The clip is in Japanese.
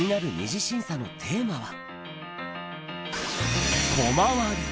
２次審査のテーマは。